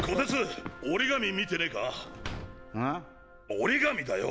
折紙だよ！